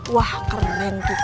wah keren ki